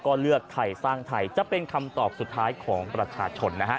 ก็เลือกไทยสร้างไทยจะเป็นคำตอบสุดท้ายของประชาชนนะฮะ